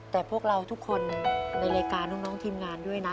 แต่พวกเราทุกคนในรายการน้องทีมงานด้วยนะ